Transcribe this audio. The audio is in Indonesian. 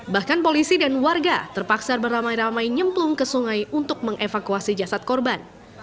bahkan polisi dan warga terpaksa beramai ramai nyemplung ke sungai untuk mengevakuasi jasad korban